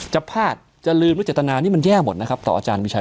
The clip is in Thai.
จะพลาดจะลืมหรือเจตนานี่มันแย่หมดนะครับต่ออาจารย์วิชัย